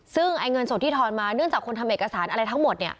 ซึ่งเงินสดที่ทอนมาเนื่องจากคนทำเอกสารอะไรทั้งหมดเนี่ย